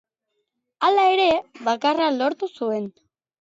Hala ere, bakarra lortu zuen.